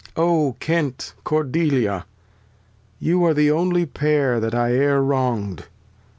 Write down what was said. Lear. O Kent, Cordelia ! You are the onely Pair that I e'er wrong'd.